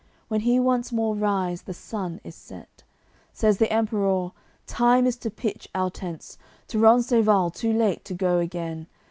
When he once more rise, the sun is set. Says the Emperour "Time is to pitch our tents; To Rencesvals too late to go again.